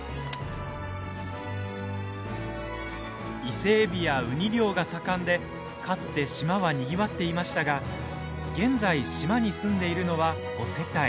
伊勢えびやウニ漁が盛んでかつて島はにぎわっていましたが現在、島に住んでいるのは５世帯。